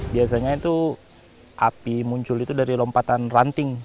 biasanya itu api muncul itu dari lompatan ranting